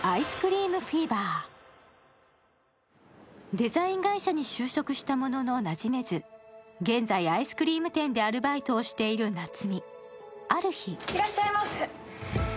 デザイン会社に就職したもののなじめず、現在、アイスクリーム店でアルバイトをしている菜摘。